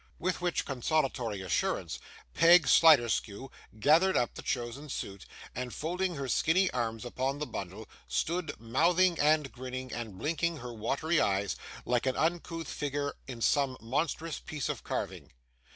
With which consolatory assurance, Peg Sliderskew gathered up the chosen suit, and folding her skinny arms upon the bundle, stood, mouthing, and grinning, and blinking her watery eyes, like an uncouth figure in some monstrous piece of carving.